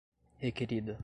Requerida